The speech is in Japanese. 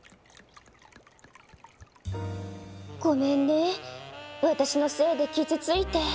ごめんね私のせいで傷ついて。